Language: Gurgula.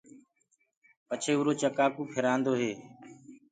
پڇي اُرو چڪآ ڪوُ ڦِرآندو هي۔